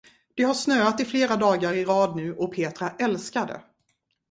Det har snöat i flera dagar i rad nu och Petra älskar det.